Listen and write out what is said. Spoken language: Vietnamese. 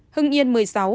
hưng yên một mươi sáu